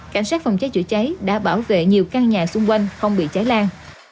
cảnh sát phòng cháy chữa cháy đã bảo vệ nhiều căn nhà xung quanh không bị cháy lan